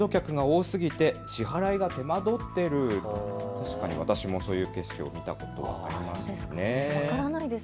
確かに私もそういう景色を見たことがありますね。